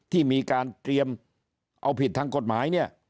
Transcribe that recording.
ที่มีการเตรียมเอาผิดทางกฎหมายเนี่ย